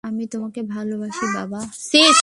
আমি তোমাকে ভালোবাসি, বাবা।